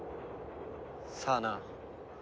さあな。